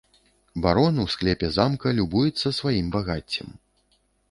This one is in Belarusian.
Барон у склепе замка любуецца сваім багаццем.